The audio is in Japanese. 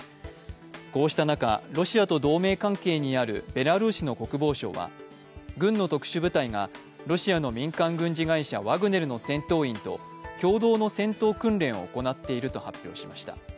こうした中、ロシアと同盟関係にあるベラルーシの国防省は軍の特殊部隊がロシアの民間軍事会社ワグネルの戦闘員と共同の戦闘訓練を行っていると発表しました。